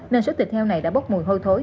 nên số thịt heo này đã bốc mùi hôi thối